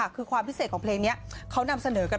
คือความพิเศษของเพลงนี้เขานำเสนอกัน